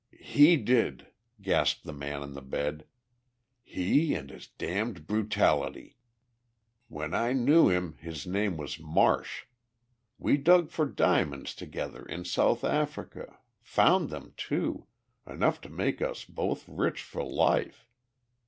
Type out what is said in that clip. "He did!" gasped the man on the bed. "He and his damned brutality. When I knew him his name was Marsh. We dug for diamonds together in South Africa found them, too enough to make us both rich for life.